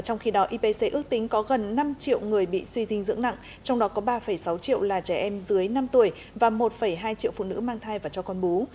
trong khi đó ipc ước tính có gần năm triệu người bị suy dinh dưỡng nặng trong đó có ba sáu triệu là trẻ em dưới năm tuổi và một hai triệu phụ nữ mang thai và cho con bú